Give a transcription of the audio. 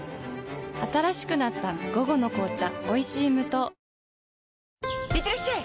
新しくなった「午後の紅茶おいしい無糖」いってらっしゃい！